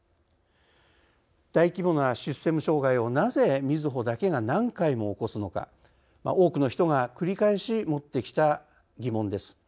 大規模なシステム障害を、なぜみずほだけが何回も起こすのか多くの人が繰り返し持ってきた疑問です。